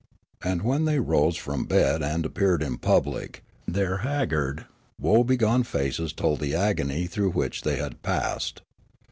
And when they rose from bed and appeared in public, their 62 Riallaro haggard, woebegone faces told the agonj^ through which they had passed.